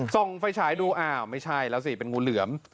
ส่องไฟฉายดูอ้าวไม่ใช่แล้วสิเป็นงูเหลือม